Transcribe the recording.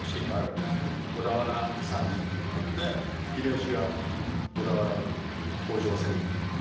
小田原参陣っていうのがあって秀吉が小田原に北条を攻めに来た。